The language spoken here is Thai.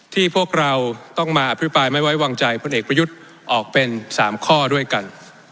พวกเราต้องมาอภิปรายไม่ไว้วางใจพลเอกประยุทธ์ออกเป็น๓ข้อด้วยกัน